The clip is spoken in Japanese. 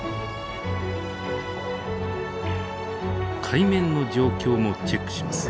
海面の状況もチェックします。